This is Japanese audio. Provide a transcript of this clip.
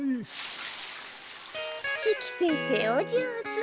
シキ先生お上手。